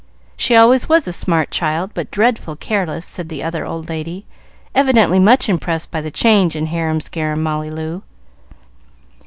She always was a smart child, but dreadful careless," said the other old lady, evidently much impressed by the change in harum scarum Molly Loo.